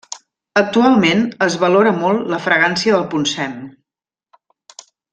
Actualment, es valora molt la fragància del poncem.